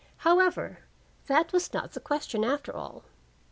However, that was not the question, after all.